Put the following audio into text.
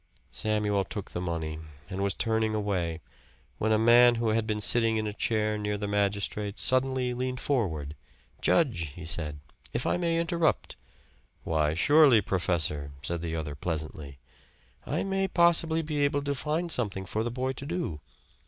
Samuel took the money and was turning away, when a man who had been sitting in a chair near the magistrate suddenly leaned forward. "Judge," he said, "if I may interrupt " "Why, surely, professor," said the other pleasantly. "I may possibly be able to find something for the boy to do."